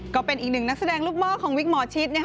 ก็เป็นอีกหนึ่งนักแสดงลูกหม้อของวิกหมอชิด